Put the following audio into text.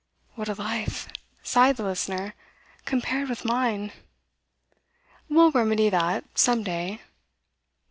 'What a life,' sighed the listener, 'compared with mine!' 'We'll remedy that, some day.